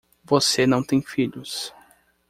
Você não tem filhos.